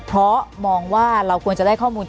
เพราะมองว่าเราควรจะได้ข้อมูล